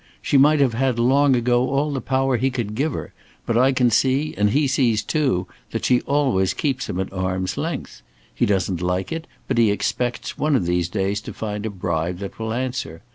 She might have had long ago all the power he could give her, but I can see, and he sees too, that she always keeps him at arm's length. He doesn't like it, but he expects one of these days to find a bribe that will answer.